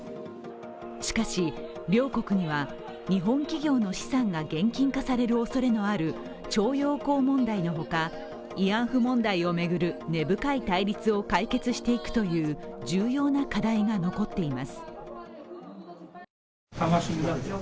しかし両国には、日本企業の資産が現金化されるおそれのある徴用工問題の他、慰安婦問題を巡る根深い対立を解決していくという重要な課題が残っています。